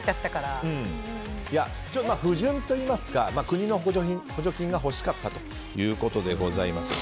不純といいますか国の補助金が欲しかったということでございます。